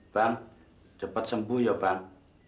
bang cepat sembuh ya bang